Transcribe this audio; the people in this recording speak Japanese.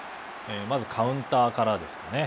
まずカウンターからですかね。